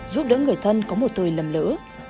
giúp đỡ người thân có một thời lầm lỡ